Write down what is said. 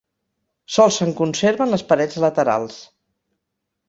Sols se'n conserven les parets laterals.